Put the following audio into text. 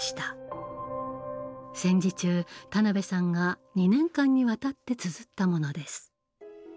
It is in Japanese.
戦時中田辺さんが２年間にわたってつづったものです。